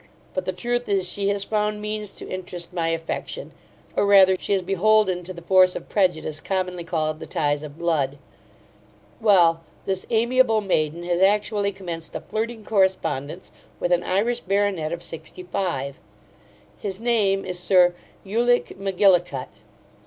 But, the truth is, she has found means to interest my affection; or, rather, she is beholden to the force of prejudice, commonly called the ties of blood. Well, this amiable maiden has actually commenced a flirting correspondence with an Irish baronet of sixty five. His name is Sir Ulic Mackilligut.